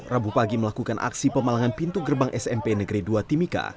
rabu pagi melakukan aksi pemalangan pintu gerbang smp negeri dua timika